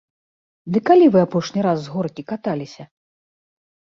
Ды калі вы апошні раз з горкі каталіся?